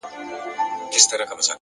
زړورتیا په عمل کې ښکاري!.